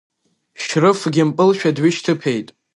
Шьрыфгьы мпылшәа дҩышьҭыԥеит.